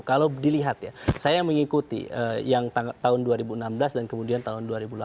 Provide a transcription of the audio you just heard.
kalau dilihat ya saya mengikuti yang tahun dua ribu enam belas dan kemudian tahun dua ribu delapan belas